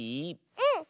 うん！